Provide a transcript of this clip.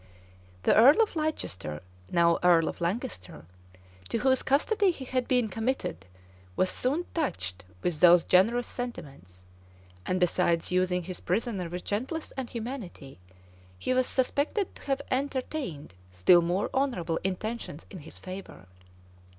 The earl of Leicester, now earl of Lancaster, to whose custody he had been committed, was soon touched with those generous sentiments; and besides using his prisoner with gentleness and humanity, he was suspected to have entertained still more honorable intentions in his favor.